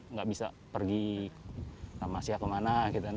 nggak bisa pergi sama sia kemana gitu kan